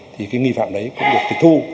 thì cái nghi phạm đấy cũng được thịt thu